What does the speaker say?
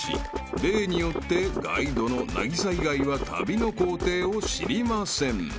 ［例によってガイドの凪咲以外は旅の行程を知りません］